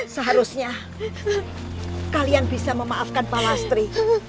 seharusnya kalian bisa memaafkan pak lastri